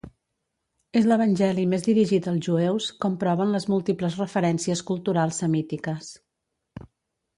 És l'evangeli més dirigit als jueus, com proven les múltiples referències culturals semítiques.